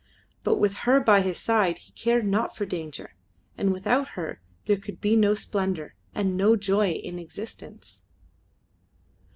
But with her by his side he cared not for danger, and without her there could be no splendour and no joy in existence.